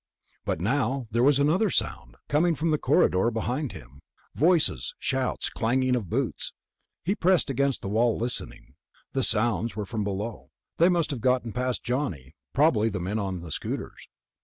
But now there was another sound, coming from the corridor behind him. Voices, shouts, clanging of boots. He pressed against the wall, listening. The sounds were from below. They must have gotten past Johnny ... probably the men on the scooters.